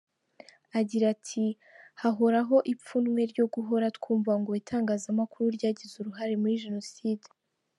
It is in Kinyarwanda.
Agira ati “Hahoraho ipfunwe ryo guhora twumva ngo itangazamakuru ryagize uruhare muri Jenoside.